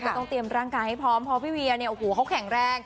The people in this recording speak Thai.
ต้องเตรียมร่างกายให้พร้อมเพราะพี่เวียเนี่ยโอ้โหเขาแข็งแรง